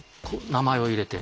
名前を入れて。